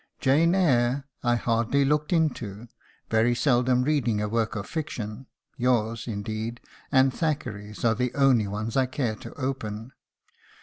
'Jane Eyre' I hardly looked into, very seldom reading a work of fiction yours, indeed, and Thackeray's are the only ones I care to open.